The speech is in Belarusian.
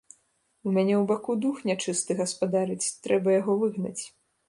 У мяне ў баку дух нячысты гаспадарыць, трэба яго выгнаць.